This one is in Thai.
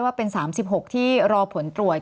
ว่าเป็น๓๖ที่รอผลตรวจ